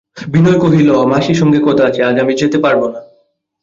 বিনয় কহিল, মাসির সঙ্গে কথা আছে, আজ আমি যেতে পারব না।